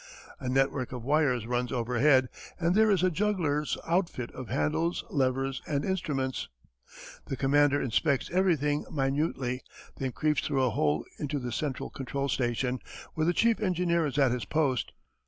A network of wires runs overhead, and there is a juggler's outfit of handles, levers, and instruments. The commander inspects everything minutely, then creeps through a hole into the central control station, where the chief engineer is at his post.